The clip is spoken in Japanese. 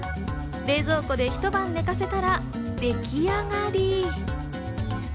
冷蔵庫でひと晩寝かせたら出来上がり。